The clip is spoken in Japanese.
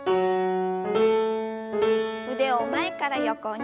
腕を前から横に。